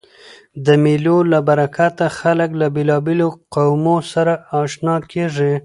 د مېلو له برکته خلک له بېلابېلو قومو سره آشنا کېږي.